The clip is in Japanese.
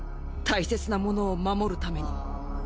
大切なものを守るために。